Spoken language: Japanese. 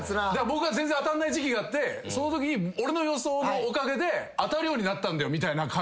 僕が全然当たんない時期があってそのときに俺の予想のおかげで当たるようになったんだよみたいな感じで。